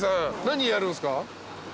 何やるんすか？